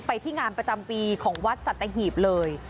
ไปที่งานประจำปีของวัดสัตหีบเลย